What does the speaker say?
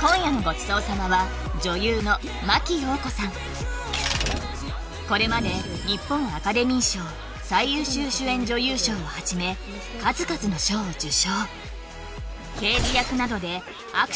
今夜のごちそう様はこれまで日本アカデミー賞最優秀主演女優賞をはじめ数々の賞を受賞刑事役などでとは？